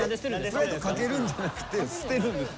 プライド懸けるんじゃなくて捨てるんですか？